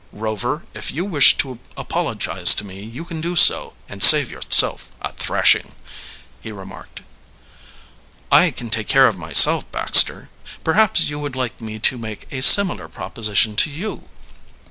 "Rover, if you wish to apologize to me you can do so, and save yourself a thrashing," he remarked. "I can take care of myself, Baxter. Perhaps you would like me to make a similar proposition to you.